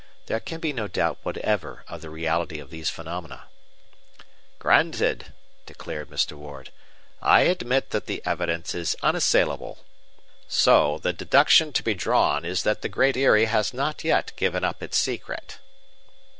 There can be no doubt whatever of the reality of these phenomena." "Granted," declared Mr. Ward. "I admit that the evidence is unassailable. So the deduction to be drawn is that the Great Eyrie has not yet given up its secret."